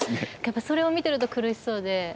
それを見ていると苦しそうで。